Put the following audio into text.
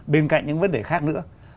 bên cạnh những vấn đề khác nữa